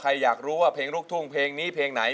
อยากรู้ว่าเพลงลูกทุ่งเพลงนี้เพลงไหน